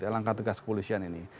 langkah tegas kepolisian ini